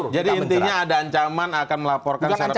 jadi intinya ada ancaman akan melaporkan secara pidana